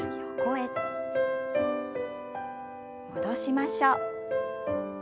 戻しましょう。